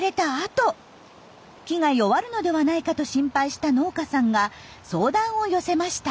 木が弱るのではないかと心配した農家さんが相談を寄せました。